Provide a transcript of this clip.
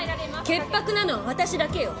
潔白なのは私だけよ。